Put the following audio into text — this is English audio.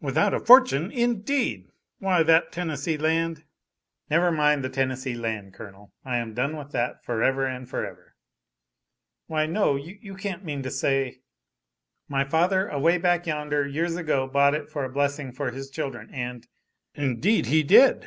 "Without a fortune, indeed! Why that Tennessee Land " "Never mind the Tennessee Land, Colonel. I am done with that, forever and forever " "Why no! You can't mean to say " "My father, away back yonder, years ago, bought it for a blessing for his children, and " "Indeed he did!